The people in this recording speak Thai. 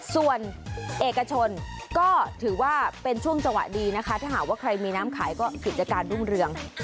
ส่วนเอกชนก็ถือว่าเป็นช่วงจังหวะดีนะคะถ้าหากว่าใครมีน้ำขายก็กิจการรุ่งเรือง